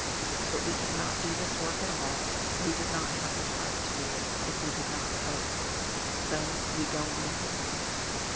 But we could not do this work at all, we would not have the heart to do it, if we did not hope. So we go on hoping.